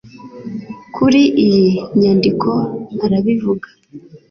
Kuri iyi nyandiko arabivuga